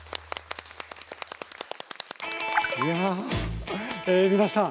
いやあ皆さん